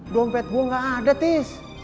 dompet gue gak ada tis